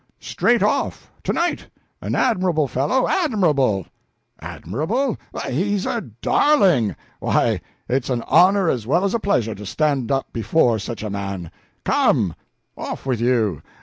Straight off! To night! An admirable fellow admirable!" "Admirable? He's a darling! Why, it's an honor as well as a pleasure to stand up before such a man. Come off with you!